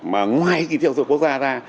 mà ngoài kỳ thi học dục quốc gia ra